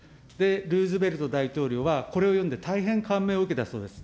ルーズベルト大統領はこれを読んで大変感銘を受けたそうです。